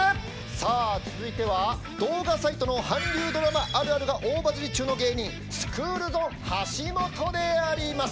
さあ続いては動画サイトの韓流ドラマあるあるが大バズり中の芸人スクールゾーン橋本であります。